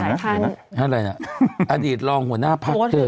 อะไรน่ะอดีตรองหัวหน้าพักเธอ